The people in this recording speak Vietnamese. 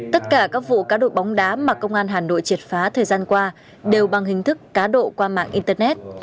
tất cả các vụ cá độ bóng đá mà công an hà nội triệt phá thời gian qua đều bằng hình thức cá độ qua mạng internet